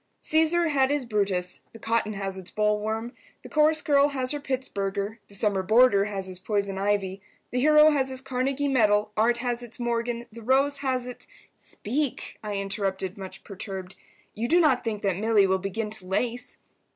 "Caesar had his Brutus—the cotton has its bollworm, the chorus girl has her Pittsburger, the summer boarder has his poison ivy, the hero has his Carnegie medal, art has its Morgan, the rose has its—" "Speak," I interrupted, much perturbed. "You do not think that Milly will begin to lace?"